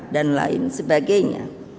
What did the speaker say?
dan lain sebagainya